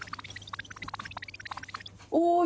おい。